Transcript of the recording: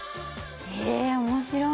へえ面白い。